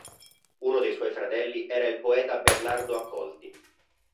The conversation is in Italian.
Uno dei suoi fratelli era il poeta Bernardo Accolti.